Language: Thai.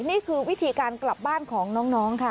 นี่คือวิธีการกลับบ้านของน้องค่ะ